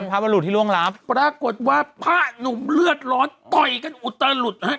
พบรุษที่ล่วงลับปรากฏว่าพระหนุ่มเลือดร้อนต่อยกันอุตลุดฮะ